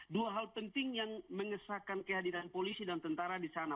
dua hal penting yang mengesahkan kehadiran polisi dan tentara di sana